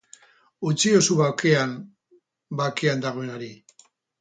Utziozu bakean bakean dagoenari!